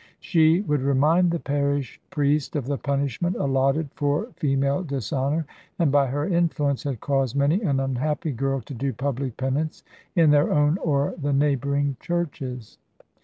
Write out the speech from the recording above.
She would remind the parish priest of the punishment allotted for female dishonour, and by her influence had caused many an unhappy girl to do public penance in their own or the neighbouring churches.